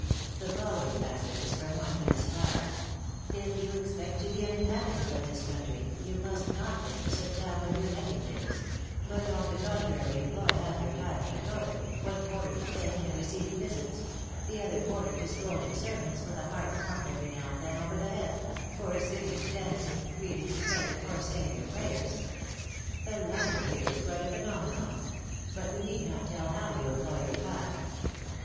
The following passage is from one to Miss Flagg: "If you expect to be an inhabitant of this country, you must not think to sit down with your netting pins; but on the contrary, employ half your time at the toilet, one quarter to paying and receiving visits; the other quarter to scolding servants, with a hard thump every now and then over the head; or singing, dancing, reading, writing, or saying your prayers. The latter is here quite a phenomenon; but you need not tell how you employ your time."